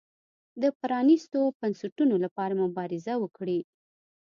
د پرانیستو بنسټونو لپاره مبارزه وکړي.